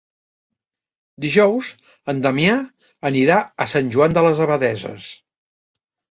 Dijous en Damià anirà a Sant Joan de les Abadesses.